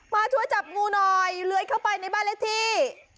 มาช่วยจับงูหน่อยเลื้อยเข้าไปในบ้านเลขที่